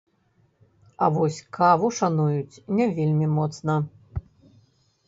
А вось каву шануюць не вельмі моцна.